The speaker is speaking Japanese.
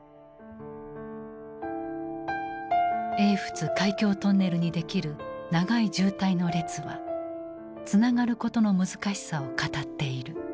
英仏海峡トンネルにできる長い渋滞の列はつながることの難しさを語っている。